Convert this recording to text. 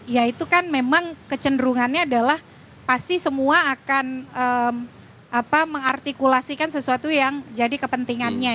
ya itu kan memang kecenderungannya adalah pasti semua akan mengartikulasikan sesuatu yang jadi kepentingannya